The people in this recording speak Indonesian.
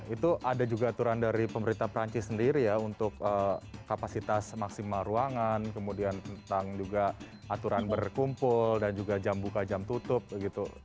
itu ada juga aturan dari pemerintah perancis sendiri ya untuk kapasitas maksimal ruangan kemudian tentang juga aturan berkumpul dan juga jam buka jam tutup gitu